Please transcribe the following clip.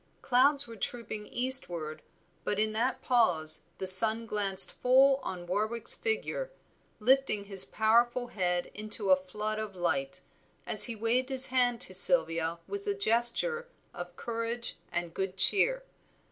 Clouds were trooping eastward, but in that pause the sun glanced full on Warwick's figure, lifting his powerful head into a flood of light, as he waved his hand to Sylvia with a gesture of courage and good cheer.